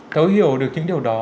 thấu hiểu được những điều đó